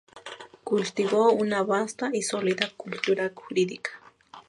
Cultivó una vasta y sólida cultura jurídica.